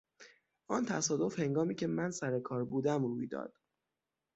آن تصادف هنگامی که من سر کار بودم روی داد.